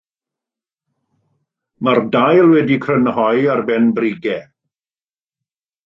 Mae'r dail wedi'u crynhoi ar ben brigau.